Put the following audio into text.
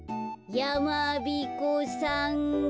やまびこさんが。